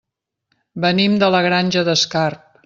Venim de la Granja d'Escarp.